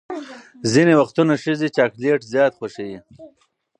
ځینې وختونه ښځې چاکلیټ زیات خوښوي.